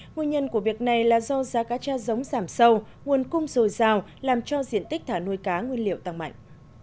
nguyên nhân của việc này là do giá cá cha giống giảm sâu nguồn cung dồi dào làm cho diện tích thả nuôi cá nguyên liệu tăng mạnh